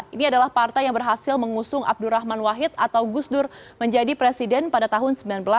ini adalah partai yang berhasil mengusung abdurrahman wahid atau gus dur menjadi presiden pada tahun seribu sembilan ratus sembilan puluh